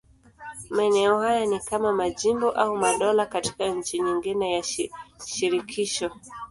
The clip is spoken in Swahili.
Maeneo haya ni kama majimbo au madola katika nchi nyingine ya shirikisho.